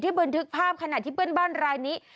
บันทึกภาพขณะที่เพื่อนบ้านรายนี้